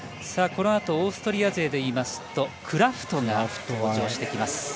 この後オーストリア勢で言いますとクラフトが登場してきます。